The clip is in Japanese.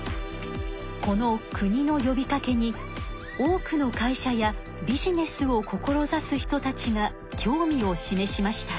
この国のよびかけに多くの会社やビジネスを志す人たちが興味を示しました。